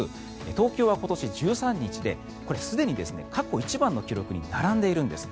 東京は今年１３日でこれ、すでに過去一番の記録に並んでいるんです。